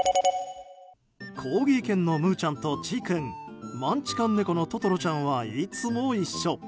コーギー犬のむうちゃんと、ちい君マンチカン猫のととろちゃんはいつも一緒。